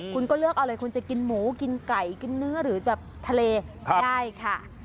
คุณก็เลือกเอาเลยคุณจะกินหมูกินไก่กินเนื้อหรือแบบทะเลได้ค่ะ